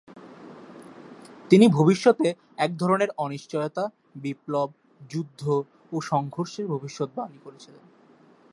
তিনি ভবিষ্যতে এক ধরনের অনিশ্চয়তা, বিপ্লব, যুদ্ধ, ও সংঘর্ষের ভবিষ্যদ্বাণী করেছিলেন।